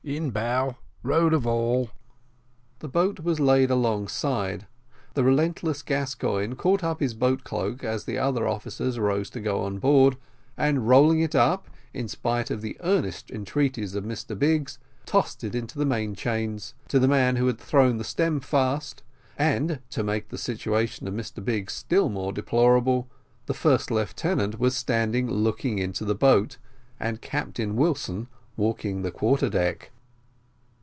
"In bow rowed of all." The boat was laid alongside the relentless Gascoigne caught up his boat cloak as the other officers rose to go on board, and rolling it up, in spite of the earnest entreaties of Mr Biggs, tossed it into the main chains to the man who had thrown the stern fast, and to make the situation of Mr Biggs still more deplorable, the first lieutenant was standing looking into the boat, and Captain Wilson walking the quarter deck.